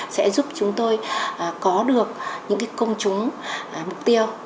sẽ giúp chúng tôi có được những công chúng mục tiêu